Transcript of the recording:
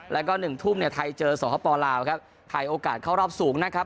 แล้วก็หนึ่งทุ่มเนี่ยไทยเจอสปลาวครับไทยโอกาสเข้ารอบสูงนะครับ